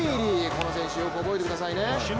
この選手、よく覚えてくださいね。